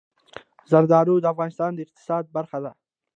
زردالو د افغانستان د اقتصاد برخه ده.